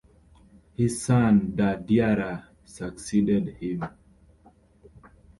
His son Da Diarra succeeded him.